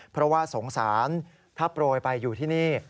เพราะว่าสงสารถ้าโปรยไปอยู่ที่นี่